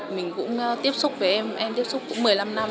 mình cũng tiếp xúc với em em tiếp xúc cũng một mươi năm năm